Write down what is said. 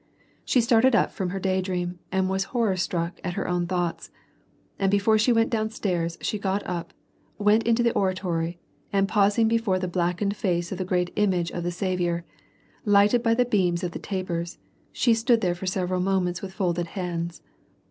She started up from her day dream, and was horror struck at her own thoughts. And before she went downstairs she got up, went into the oratory, and pausing before the blackened face of the great " image " of the Saviour, lighted by the beams of the tapers, she stood there for several moments with folded hands.